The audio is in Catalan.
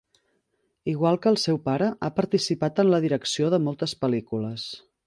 Igual que el seu pare, ha participat en la direcció de moltes pel·lícules.